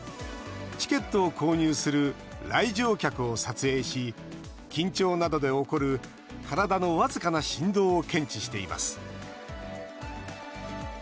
チケットを購入する来場客を撮影し緊張などで起こる体の僅かな振動を検知しています。